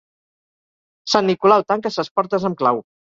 Sant Nicolau tanca ses portes amb clau.